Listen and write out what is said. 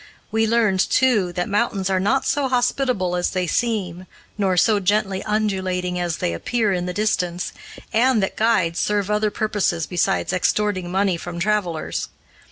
We learned, too, that mountains are not so hospitable as they seem nor so gently undulating as they appear in the distance, and that guides serve other purposes besides extorting money from travelers.